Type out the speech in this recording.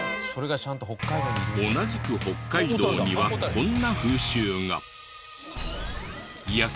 同じく北海道にはこんな風習が。